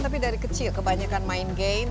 tapi dari kecil kebanyakan main game